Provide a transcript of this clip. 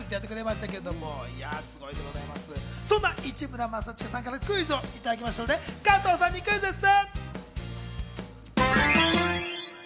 そんな市村正親さんからクイズをいただきましたので加藤さんにクイズッス。